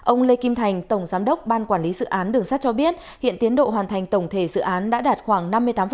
ông lê kim thành tổng giám đốc ban quản lý dự án đường sắt cho biết hiện tiến độ hoàn thành tổng thể dự án đã đạt khoảng năm mươi tám